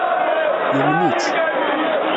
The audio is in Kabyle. Yumen-itt.